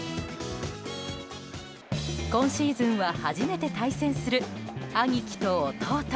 今シーズンは初めて対戦する兄貴と弟。